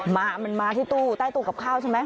มามันมาที่ตู้ใต้ตู้กับข้าวใช่ไหม